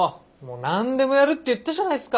何でもやるって言ったじゃないすか。